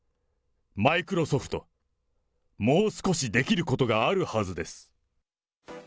マイクロソフト、もう少しできることがあるはずです。